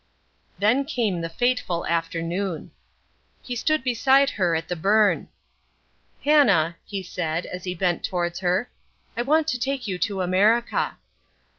Then came the fateful afternoon. He stood beside her at the burn. "Hannah," he said, as he bent towards her, "I want to take you to America."